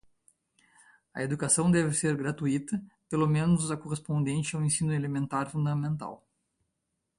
A educação deve ser gratuita, pelo menos a correspondente ao ensino elementar fundamental.